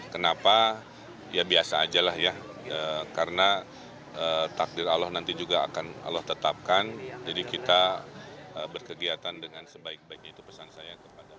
kenapa ya biasa aja lah ya karena takdir allah nanti juga akan allah tetapkan jadi kita berkegiatan dengan sebaik baiknya